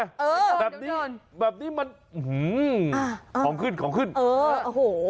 เออแบบนี้แบบนี้มันอื้อหือของขึ้นของขึ้นเออโอ้โห